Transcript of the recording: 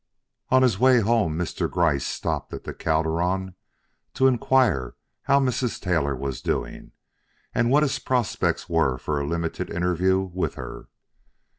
On his way home Mr. Gryce stopped at the Calderon to inquire how Mrs. Taylor was doing, and what his prospects were for a limited interview with her.